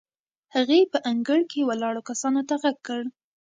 هغې په انګړ کې ولاړو کسانو ته غږ کړ.